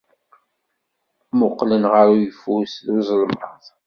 Mmuqqlen ɣef uyeffus ed uzelmaḍ.